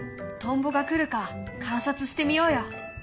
トンボが来るか観察してみようよ。